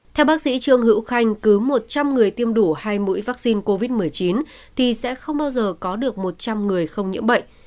theo bác sĩ trương hữu khanh cứ một trăm linh người tiêm đủ hai mũi vaccine covid một mươi chín thì sẽ không bao giờ có được một trăm linh người không nhiễm bệnh